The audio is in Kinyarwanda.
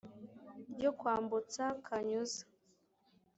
ryo kwambutsa kanyuza